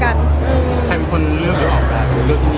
ใครเป็นคนเลือกออกการหรือเลือกผู้หญิง